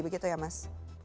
begitu ya mas